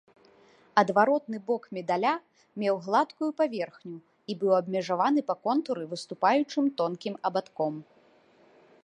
Адваротны бок медаля меў гладкую паверхню і быў абмежаваны па контуры выступаючым тонкім абадком.